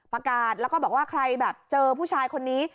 ประกาศแล้วก็บอกว่าใครแบบเจอผู้ชายคนนี้